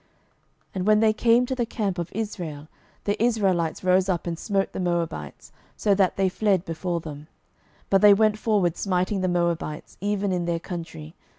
12:003:024 And when they came to the camp of Israel, the Israelites rose up and smote the Moabites, so that they fled before them: but they went forward smiting the Moabites, even in their country.